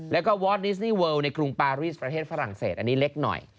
แล้วก็วอสนิสนี่เวิลในกรุงปารีสประเทศฝรั่งเศสอันนี้เล็กหน่อย